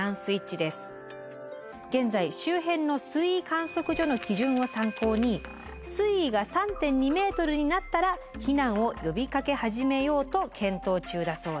現在周辺の水位観測所の基準を参考に水位が３．２ｍになったら避難を呼びかけ始めようと検討中だそうです。